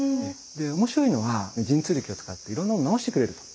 で面白いのは神通力を使っていろんなものを治してくれると。